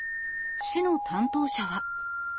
市の担当者は。